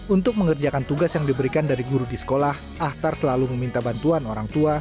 untuk mengerjakan tugas yang diberikan dari guru di sekolah ahtar selalu meminta bantuan orang tua